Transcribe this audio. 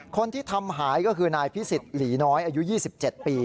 คนที่ทำหายก็คือนายพิสิทธิ์หลีน้อยอายุ๒๗ปี